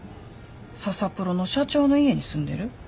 ササプロの社長の家に住んでる？